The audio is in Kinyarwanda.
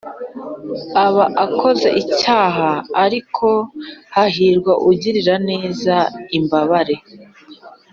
Aba akoze icyaha j ariko hahirwa ugirira neza imbabare